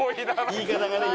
言い方がね。